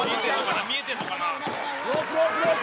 見えてんのかな？